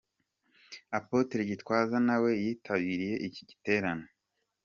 Apotre Gitwaza nawe yitabiriye iki giterane.